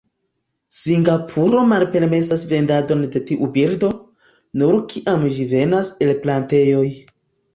Singapuro malpermesas vendadon de tiu birdo, nur kiam ĝi venas el plantejoj.